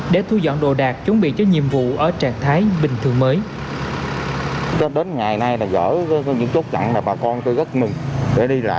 để thu dọn đồ đạc chuẩn bị cho nhiệm vụ ở trạng thái bình thường mới